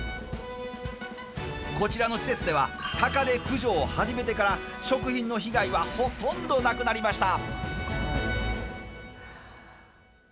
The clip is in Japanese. こちらの施設ではたかで駆除を始めてから食品の被害はほとんどなくなりました。